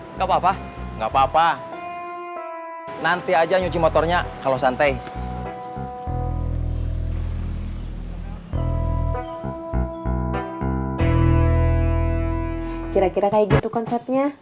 nggak papa nggak papa nanti aja cuci motornya kalau santai kira kira kayak gitu konsepnya